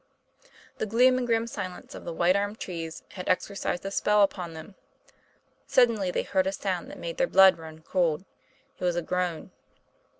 The gloom and grim silence of the white armed trees had exercised a spell upon them. Sud denly they heard a sound that made their blood run cold ; it was a groan.